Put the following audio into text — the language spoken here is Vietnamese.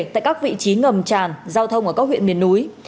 tại các vị trí ngầm tràn giao thông ở các huyện miền núi